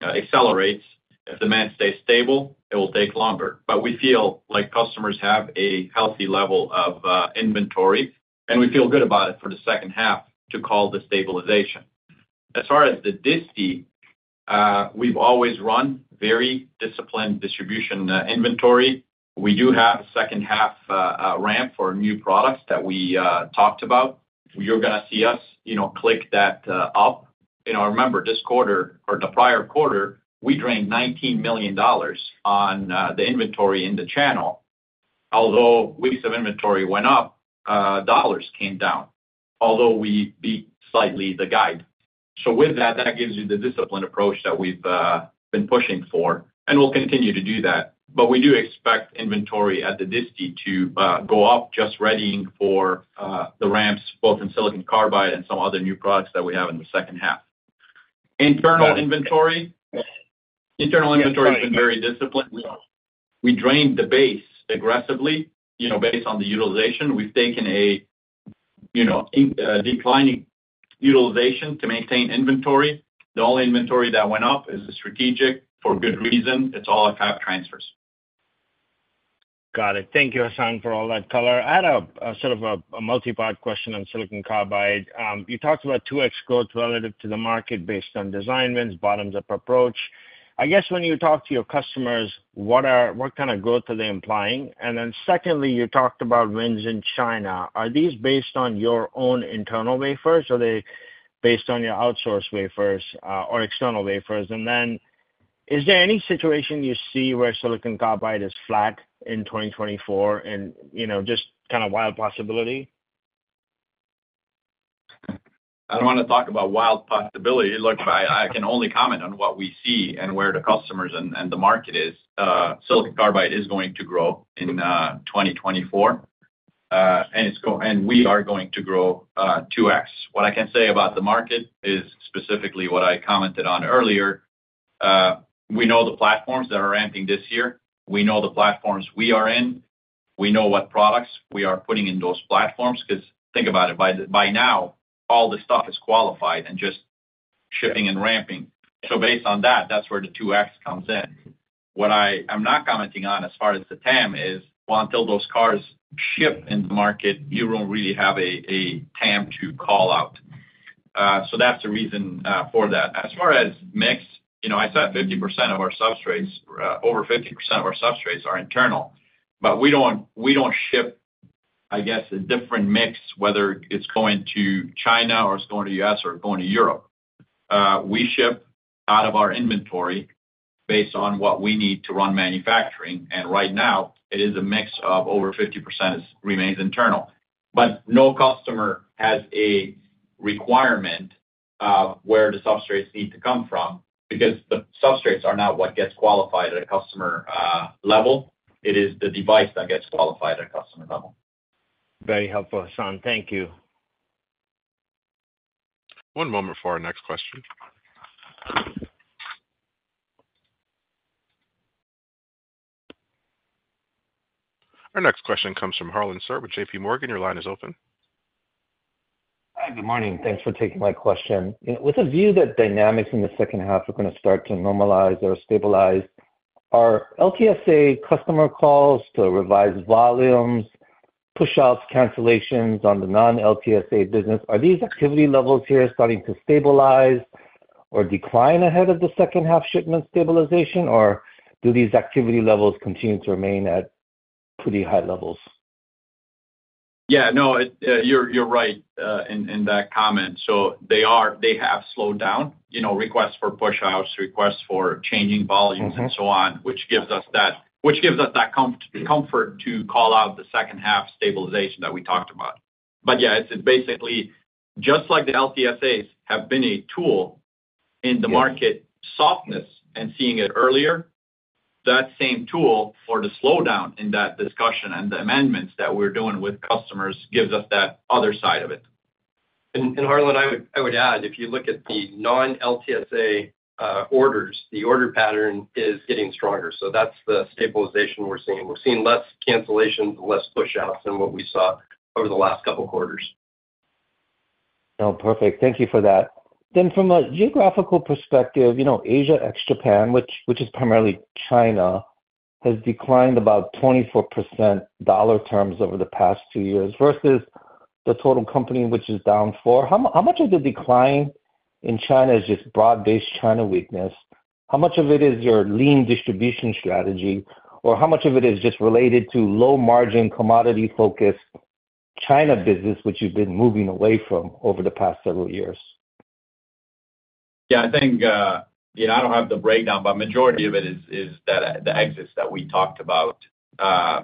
accelerates. If demand stays stable, it will take longer. But we feel like customers have a healthy level of inventory, and we feel good about it for the second half to call the stabilization. As far as the disty, we've always run very disciplined distribution inventory. We do have a second half ramp for new products that we talked about. You're gonna see us, you know, click that up. You know, remember, this quarter or the prior quarter, we drained $19 million on the inventory in the channel. Although weeks of inventory went up, dollars came down, although we beat slightly the guide. So with that, that gives you the disciplined approach that we've been pushing for, and we'll continue to do that. But we do expect inventory at the disty to go up, just readying for the ramps, both in silicon carbide and some other new products that we have in the second half. Internal inventory, internal inventory has been very disciplined. We drained the base aggressively, you know, based on the utilization. We've taken a, you know, in declining utilization to maintain inventory. The only inventory that went up is the strategic for good reason. It's all cap transfers. Got it. Thank you, Hassane, for all that color. I had a sort of a multi-part question on silicon carbide. You talked about 2x growth relative to the market based on design wins, bottoms-up approach. I guess when you talk to your customers, what kind of growth are they implying? And then secondly, you talked about wins in China. Are these based on your own internal wafers, or are they based on your outsourced wafers, or external wafers? And then is there any situation you see where silicon carbide is flat in 2024 and, you know, just kind of wild possibility? I don't wanna talk about wild possibility. Look, I can only comment on what we see and where the customers and the market is. Silicon carbide is going to grow in 2024, and we are going to grow 2x. What I can say about the market is specifically what I commented on earlier. We know the platforms that are ramping this year. We know the platforms we are in. We know what products we are putting in those platforms, because think about it, by now, all the stuff is qualified and just shipping and ramping. So based on that, that's where the 2x comes in. What I am not commenting on as far as the TAM is, well, until those cars ship in the market, you won't really have a TAM to call out. So that's the reason for that. As far as mix, you know, I said 50% of our substrates, over 50% of our substrates are internal, but we don't, we don't ship, I guess, a different mix, whether it's going to China or it's going to U.S. or going to Europe. We ship out of our inventory based on what we need to run manufacturing, and right now it is a mix of over 50% remains internal. But no customer has a requirement of where the substrates need to come from, because the substrates are not what gets qualified at a customer level. It is the device that gets qualified at a customer level. Very helpful, Hassane. Thank you. One moment for our next question. Our next question comes from Harlan Sur with JP Morgan. Your line is open. Hi, good morning. Thanks for taking my question. With a view that dynamics in the second half are gonna start to normalize or stabilize, are LTSA customer calls to revise volumes, pushouts, cancellations on the non-LTSA business, are these activity levels here starting to stabilize or decline ahead of the second half shipment stabilization? Or do these activity levels continue to remain at pretty high levels? Yeah, no, it. You're, you're right, in, in that comment. So they are—they have slowed down, you know, requests for pushouts, requests for changing volumes and so on, which gives us that, which gives us that comfort to call out the second half stabilization that we talked about. But yeah, it's basically just like the LTSAs have been a tool in the market softness and seeing it earlier, that same tool for the slowdown in that discussion and the amendments that we're doing with customers gives us that other side of it. And Harlan, I would add, if you look at the non-LTSA orders, the order pattern is getting stronger, so that's the stabilization we're seeing. We're seeing less cancellations, less pushouts than what we saw over the last couple of quarters. Oh, perfect. Thank you for that. Then from a geographical perspective, you know, Asia, ex-Japan, which, which is primarily China, has declined about 24% in dollar terms over the past 2 years versus the total company, which is down 4%. How, how much of the decline in China is just broad-based China weakness? How much of it is your lean distribution strategy, or how much of it is just related to low-margin, commodity-focused China business, which you've been moving away from over the past several years? Yeah, I think, you know, I don't have the breakdown, but majority of it is that the exits that we talked about.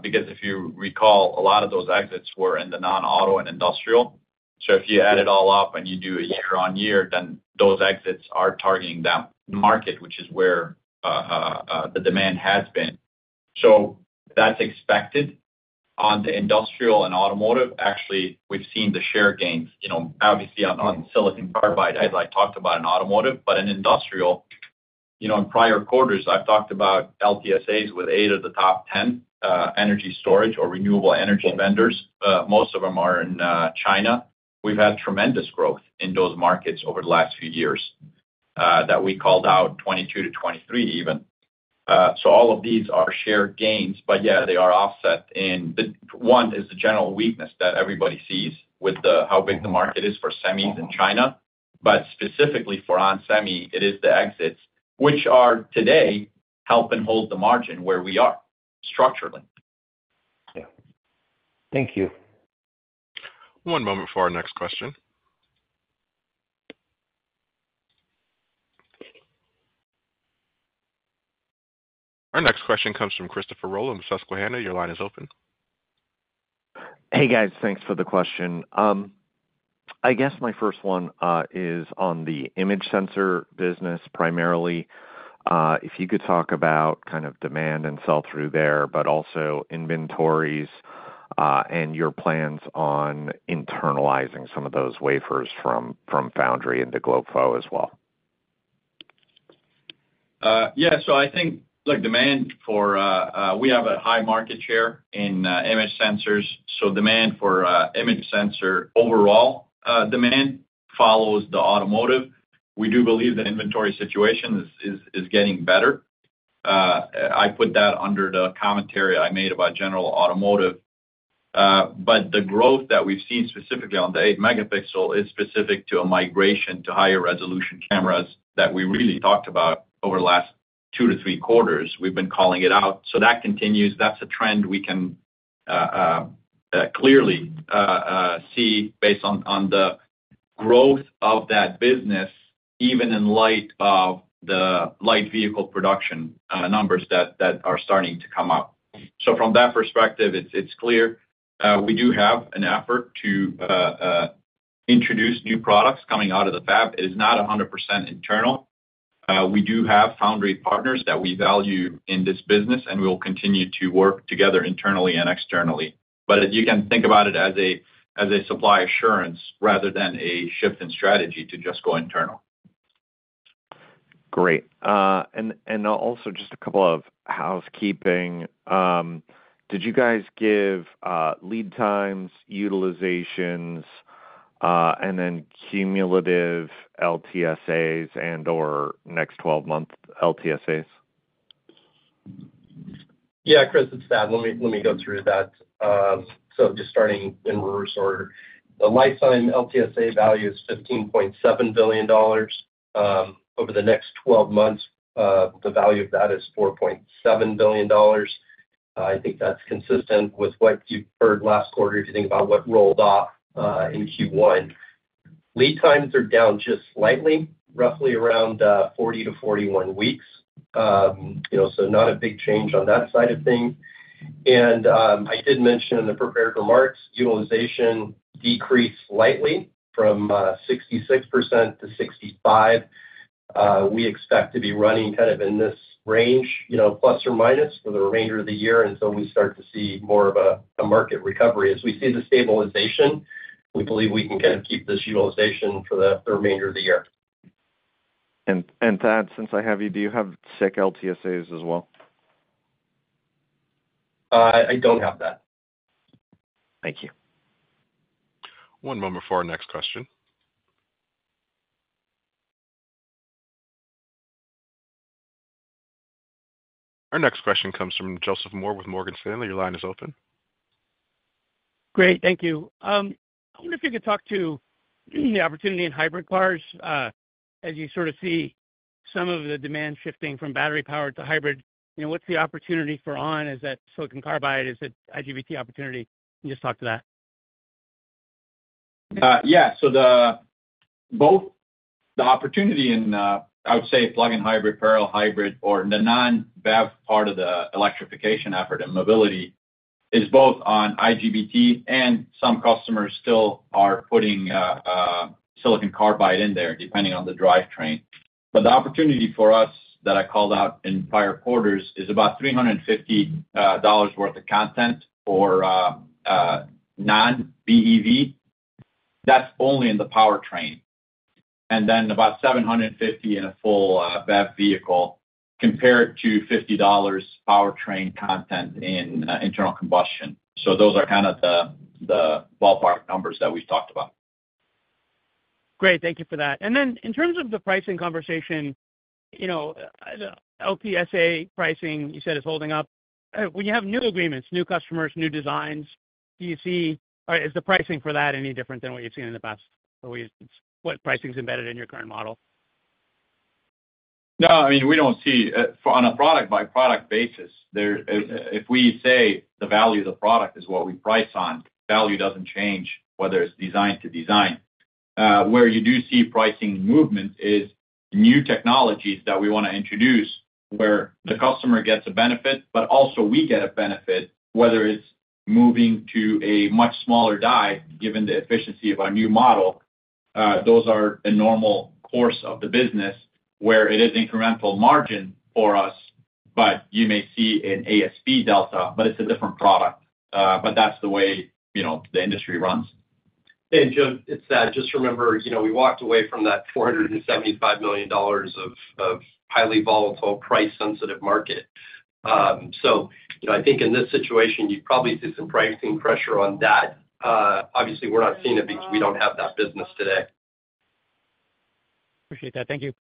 Because if you recall, a lot of those exits were in the non-auto and industrial. So if you add it all up and you do a year-on-year, then those exits are targeting down the market, which is where the demand has been. So that's expected. On the industrial and automotive, actually, we've seen the share gains, you know, obviously on silicon carbide, as I talked about in automotive, but in industrial, you know, in prior quarters, I've talked about LTSAs with eight of the top 10 energy storage or renewable energy vendors. Most of them are in China. We've had tremendous growth in those markets over the last few years, that we called out 2022-2023 even. So all of these are share gains, but yeah, they are offset in the... One is the general weakness that everybody sees with how big the market is for semis in China, but specifically for onsemi, it is the exits, which are today, helping hold the margin where we are, structurally. Yeah. Thank you. One moment for our next question. Our next question comes from Christopher Rolland with Susquehanna. Your line is open. Hey, guys. Thanks for the question. I guess my first one is on the image sensor business, primarily, if you could talk about kind of demand and sell-through there, but also inventories, and your plans on internalizing some of those wafers from foundry into GloFo as well. Yeah, so I think, look, demand for—we have a high market share in image sensors, so demand for image sensor overall demand follows the automotive. We do believe the inventory situation is getting better. I put that under the commentary I made about general automotive. But the growth that we've seen specifically on the 8-megapixel is specific to a migration to higher resolution cameras that we really talked about over the last two to three quarters. We've been calling it out, so that continues. That's a trend we can clearly see based on the growth of that business, even in light of the light vehicle production numbers that are starting to come up. So from that perspective, it's clear, we do have an effort to introduce new products coming out of the fab. It is not 100% internal. We do have foundry partners that we value in this business, and we will continue to work together internally and externally. But you can think about it as a supply assurance rather than a shift in strategy to just go internal. Great. And also just a couple of housekeeping. Did you guys give lead times, utilizations, and then cumulative LTSAs and or next twelve-month LTSAs? Yeah, Chris, it's Thad. Let me, let me go through that. So just starting in reverse order. The lifetime LTSA value is $15.7 billion. Over the next twelve months, the value of that is $4.7 billion. I think that's consistent with what you've heard last quarter, if you think about what rolled off in Q1. Lead times are down just slightly, roughly around 40-41 weeks. You know, so not a big change on that side of things. And I did mention in the prepared remarks, utilization decreased slightly from 66% to 65%. We expect to be running kind of in this range, you know, ±, for the remainder of the year until we start to see more of a market recovery. As we see the stabilization, we believe we can kind of keep this utilization for the remainder of the year. Thad, since I have you, do you have SiC LTSAs as well? I don't have that. Thank you. One moment for our next question. Our next question comes from Joseph Moore with Morgan Stanley. Your line is open. Great, thank you. I wonder if you could talk to the opportunity in hybrid cars, as you sort of see some of the demand shifting from battery-powered to hybrid. You know, what's the opportunity for ON? Is that silicon carbide? Is it IGBT opportunity? Can you just talk to that? Yeah. So both the opportunity in, I would say, plug-in hybrid, parallel hybrid or the non-BEV part of the electrification effort and mobility, is both on IGBT and some customers still are putting silicon carbide in there, depending on the drivetrain. But the opportunity for us, that I called out in prior quarters, is about $350 worth of content for non-BEV. That's only in the powertrain, and then about $750 in a full BEV vehicle, compared to $50 powertrain content in internal combustion. So those are kind of the ballpark numbers that we've talked about. Great. Thank you for that. And then in terms of the pricing conversation, you know, the LTSA pricing, you said is holding up. When you have new agreements, new customers, new designs, do you see or is the pricing for that any different than what you've seen in the past? Or what pricing is embedded in your current model? No, I mean, we don't see, for on a product-by-product basis, there, if we say the value of the product is what we price on, value doesn't change whether it's design to design. Where you do see pricing movement is new technologies that we wanna introduce, where the customer gets a benefit, but also we get a benefit, whether it's moving to a much smaller die, given the efficiency of our new model. Those are a normal course of the business, where it is incremental margin for us, but you may see an ASP delta, but it's a different product. But that's the way, you know, the industry runs. Joe, it's Thad. Just remember, you know, we walked away from that $475 million of highly volatile, price-sensitive market. So, you know, I think in this situation, you'd probably see some pricing pressure on that. Obviously, we're not seeing it because we don't have that business today. Appreciate that. Thank you.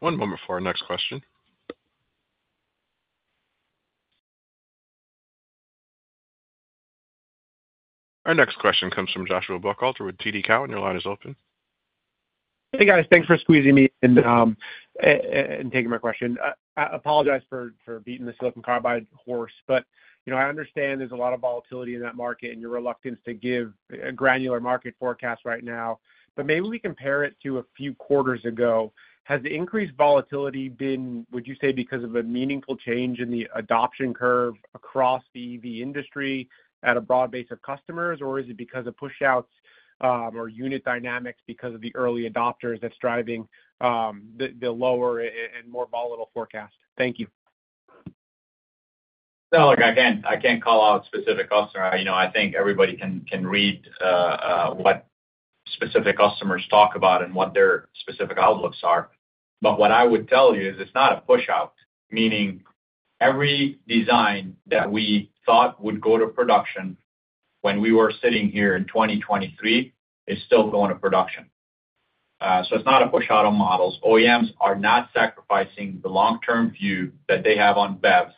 One moment before our next question. Our next question comes from Joshua Buchalter with TD Cowen. Your line is open. Hey, guys, thanks for squeezing me in, and taking my question. I apologize for beating the silicon carbide horse, but, you know, I understand there's a lot of volatility in that market and your reluctance to give a granular market forecast right now, but maybe we compare it to a few quarters ago. Has the increased volatility been, would you say, because of a meaningful change in the adoption curve across the EV industry at a broad base of customers? Or is it because of pushouts, or unit dynamics because of the early adopters that's driving, the lower and more volatile forecast? Thank you. No, look, I can't, I can't call out specific customer. You know, I think everybody can, can read what specific customers talk about and what their specific outlooks are. But what I would tell you is it's not a pushout, meaning every design that we thought would go to production when we were sitting here in 2023 is still going to production. So it's not a pushout on models. OEMs are not sacrificing the long-term view that they have on BEVs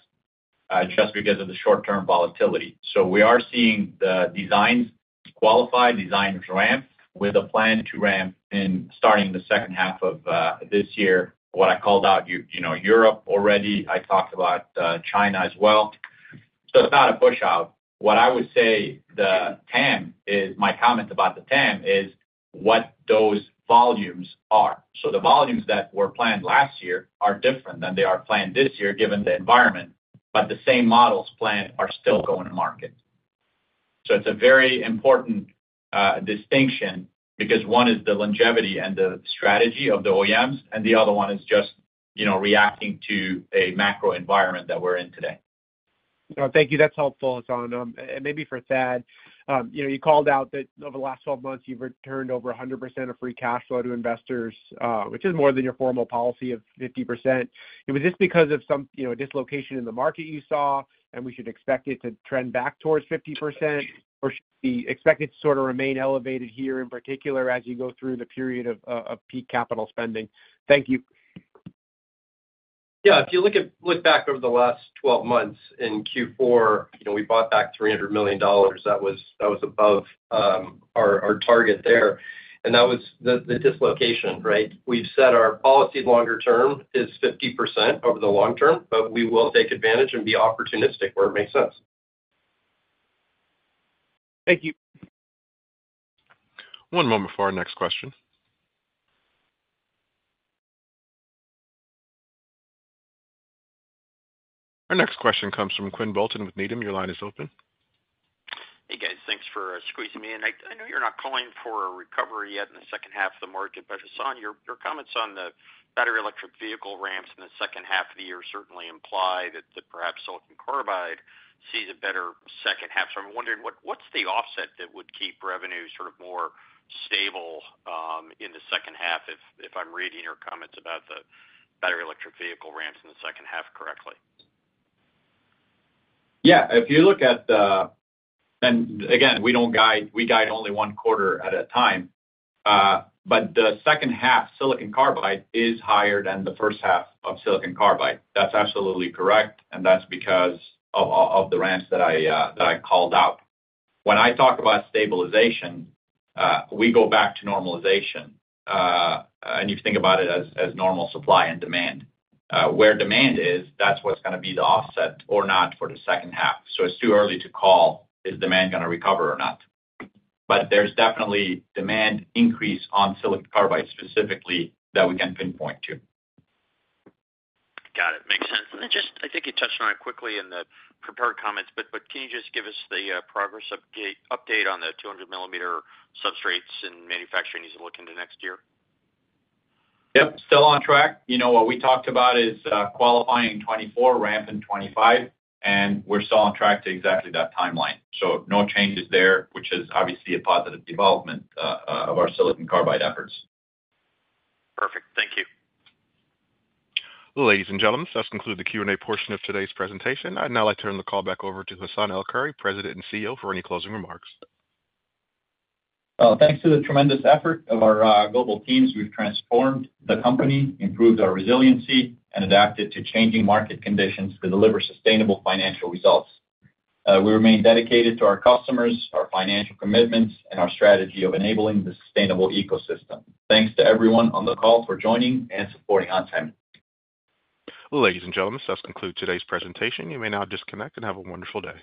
just because of the short-term volatility. So we are seeing the designs qualified, designs ramped, with a plan to ramp in starting the second half of this year. What I called out, you know, Europe already, I talked about China as well. So it's not a pushout. What I would say the TAM is—my comment about the TAM is what those volumes are. So the volumes that were planned last year are different than they are planned this year, given the environment, but the same models planned are still going to market. So it's a very important distinction, because one is the longevity and the strategy of the OEMs, and the other one is just, you know, reacting to a macro environment that we're in today. No, thank you. That's helpful, Hassane. And maybe for Thad, you know, you called out that over the last 12 months, you've returned over 100% of free cash flow to investors, which is more than your formal policy of 50%. Was this because of some, you know, dislocation in the market you saw, and we should expect it to trend back towards 50%? Or should we expect it to sort of remain elevated here, in particular, as you go through the period of peak capital spending? Thank you. Yeah, if you look back over the last 12 months, in Q4, you know, we bought back $300 million. That was above our target there, and that was the dislocation, right? We've said our policy longer term is 50% over the long term, but we will take advantage and be opportunistic where it makes sense. Thank you. One moment for our next question. Our next question comes from Quinn Bolton with Needham. Your line is open. Hey, guys, thanks for squeezing me in. I know you're not calling for a recovery yet in the second half of the market, but Hassane, your comments on the battery electric vehicle ramps in the second half of the year certainly imply that perhaps silicon carbide sees a better second half. So I'm wondering what's the offset that would keep revenue sort of more stable in the second half, if I'm reading your comments about the battery electric vehicle ramps in the second half correctly? Yeah, if you look at the. And again, we don't guide, we guide only one quarter at a time. But the second half, silicon carbide is higher than the first half of silicon carbide. That's absolutely correct, and that's because of the ramps that I called out. When I talk about stabilization, we go back to normalization. And you think about it as normal supply and demand. Where demand is, that's what's gonna be the offset or not for the second half. So it's too early to call. Is demand gonna recover or not? But there's definitely demand increase on silicon carbide, specifically, that we can pinpoint to. Got it. Makes sense. And then just, I think you touched on it quickly in the prepared comments, but can you just give us the progress update on the 200 mm substrates and manufacturing as we look into next year? Yep, still on track. You know, what we talked about is, qualifying in 2024, ramp in 2025, and we're still on track to exactly that timeline. So no changes there, which is obviously a positive development, of our silicon carbide efforts. Perfect. Thank you. Ladies and gentlemen, this concludes the Q&A portion of today's presentation. I'd now like to turn the call back over to Hassane El-Khoury, President and CEO, for any closing remarks. Well, thanks to the tremendous effort of our global teams, we've transformed the company, improved our resiliency, and adapted to changing market conditions to deliver sustainable financial results. We remain dedicated to our customers, our financial commitments, and our strategy of enabling the sustainable ecosystem. Thanks to everyone on the call for joining and supporting onsemi. Ladies and gentlemen, this concludes today's presentation. You may now disconnect and have a wonderful day.